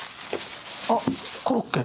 あっコロッケ。